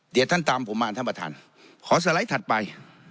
เดี๋ยวท่านตามผมมาท่านประธานขอสไลด์ถัดไป